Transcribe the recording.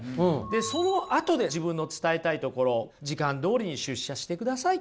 でそのあとで自分の伝えたいところ時間どおりに出社してくださいと。